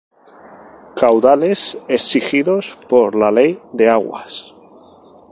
caudales exigidos por la Ley de Aguas